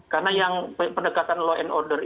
karena yang pendekatan law and order